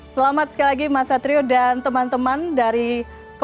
selamat sekali lagi mas satrio dan mas patria di karetannya ya